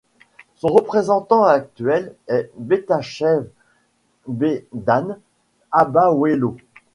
Son représentant actuel est Getachew Bedane Abawelo.